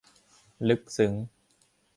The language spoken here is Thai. ลึกซึ้ง